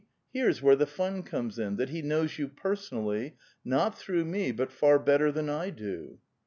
Here's where the fun comes in, that he knows you personally, not through me, but far lietter than I do."